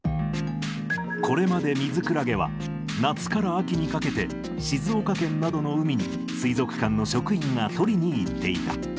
これまでミズクラゲは、夏から秋にかけて、静岡県などの海に水族館の職員が取りに行っていた。